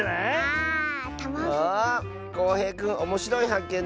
こうへいくんおもしろいはっけん